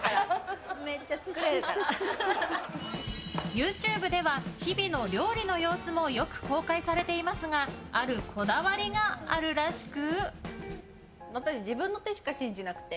ＹｏｕＴｕｂｅでは日々の料理の様子もよく公開されていますがあるこだわりがあるらしく。